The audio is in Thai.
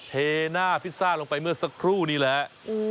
เทหน้าพิซซ่าลงไปเมื่อสักครู่นี้แหละ